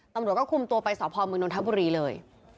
ตำรวจก็คุมตัวไปสพมนนทบุรีเลย